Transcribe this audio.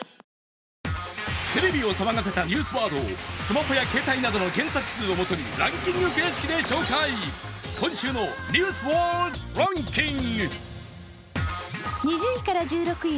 テレビを騒がせたニュースワードをスマホや携帯などの検索数を基にランキング形式で紹介、今週の「ニュースワードランキング」。